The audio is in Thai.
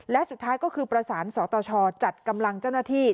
และสุดท้ายก็คือประสานสตชจัดกำลังเจ้าหน้าที่